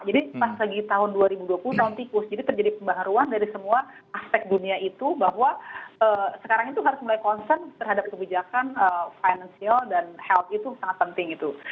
jadi pas lagi tahun dua ribu dua puluh tahun tikus jadi terjadi pembaharuan dari semua aspek dunia itu bahwa sekarang itu harus mulai concern terhadap kebijakan financial dan health itu sangat penting gitu